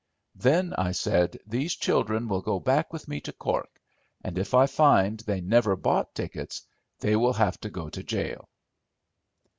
"Then," I said, "these children will go back with me to Cork; and if I find they never bought tickets, they will have to go to jail."